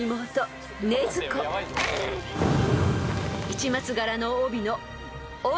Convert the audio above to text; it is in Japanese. ［市松柄の帯の「帯」］